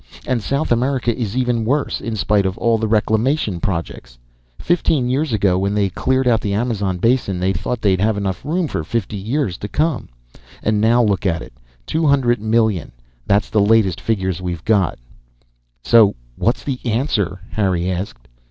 And South America is even worse, in spite of all the reclamation projects. Fifteen years ago, when they cleared out the Amazon Basin, they thought they'd have enough room for fifty years to come. And now look at it two hundred million, that's the latest figure we've got." "So what's the answer?" Harry asked.